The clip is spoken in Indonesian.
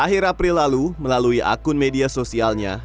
akhir april lalu melalui akun media sosialnya